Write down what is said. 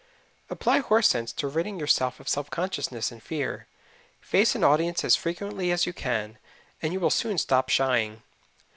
Apply horse sense to ridding yourself of self consciousness and fear: face an audience as frequently as you can, and you will soon stop shying.